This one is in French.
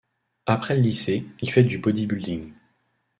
Après le lycée, il fait du bodybuilding.